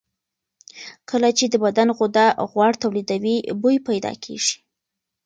کله چې د بدن غده غوړ تولیدوي، بوی پیدا کېږي.